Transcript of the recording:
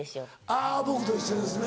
あぁ僕と一緒ですね。